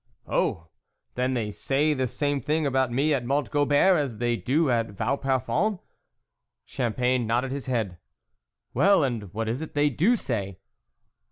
" Oh, then they say the same thing about me at Mont Gobert as they do at Vauparfond ?" Champagne nodded his head. " Well, and what is it they do say